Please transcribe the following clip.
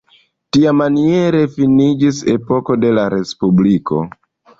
Tiamaniere finiĝis epoko de la respubliko.